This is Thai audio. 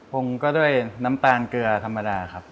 งก็ด้วยน้ำตาลเกลือธรรมดาครับ